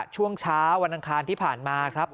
ช่วงเช้าวันอังคารที่ผ่านมาครับ